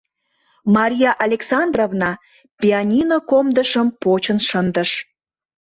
Мария Александровна пианино комдышым почын шындыш...